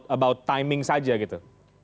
about timing saja gitu